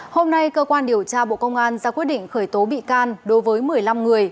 hôm nay cơ quan điều tra bộ công an ra quyết định khởi tố bị can đối với một mươi năm người